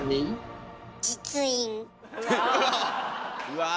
うわ。